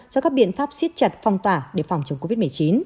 do các biện pháp siết chặt phong tỏa để phòng chống covid một mươi chín